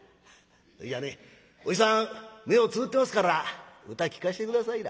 「それじゃあねおじさん目をつぶってますから歌聴かして下さいな」。